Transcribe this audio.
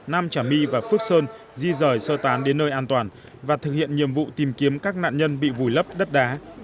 nam trà my và phước sơn di rời sơ tán đến nơi an toàn và thực hiện nhiệm vụ tìm kiếm các nạn nhân bị vùi lấp đất đá